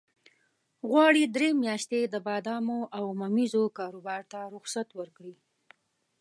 غواړي درې میاشتې د بادامو او ممیزو کاروبار ته رخصت ورکړي.